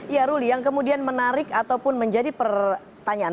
ya ruli yang kemudian menarik ataupun menjadi pertanyaan